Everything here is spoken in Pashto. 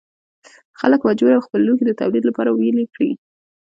خلک مجبور وو خپل لوښي د تولید لپاره ویلې کړي.